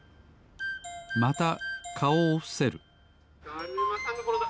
またかおをふせるだるまさんがころんだ！